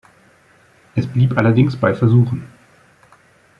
Es blieb allerdings bei Versuchen.